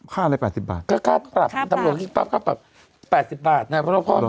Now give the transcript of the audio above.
ค่าอะไร๘๐บาทค่าปรับตำรวจอีกปั๊บค่าปรับ๘๐บาทนะเพราะว่าพ่อพ่อพ่อพ่อพ่อพ่อพ่อ